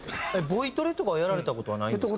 ボイトレとかはやられた事はないんですか？